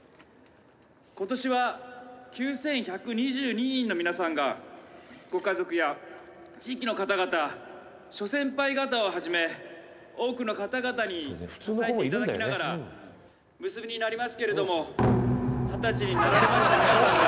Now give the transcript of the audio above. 今年は９１２２人の皆さんがご家族や地域の方々諸先輩方をはじめ多くの方々に支えて頂きながら結びになりますけれども二十歳になられた皆さんは。